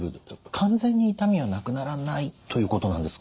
完全に痛みはなくならないということなんですか？